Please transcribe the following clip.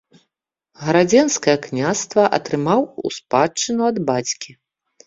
Гарадзенскае княства атрымаў у спадчыну ад бацькі.